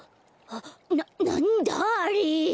あっななんだあれ？